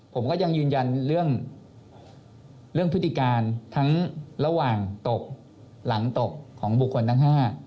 ผมก็ยังยืนยันเรื่องพฤติการทั้งระหว่างตกหลังตกของบุคคลทั้ง๕